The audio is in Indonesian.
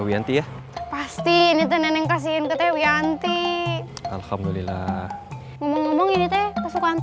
wianti ya pasti ini teneng kasihin ke wianti alhamdulillah ngomong ngomong ini teh kesukaan